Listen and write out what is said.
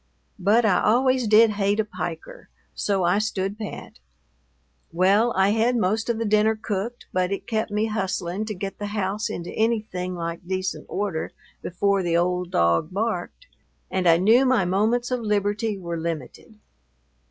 But I always did hate a "piker," so I stood pat. Well, I had most of the dinner cooked, but it kept me hustling to get the house into anything like decent order before the old dog barked, and I knew my moments of liberty were limited.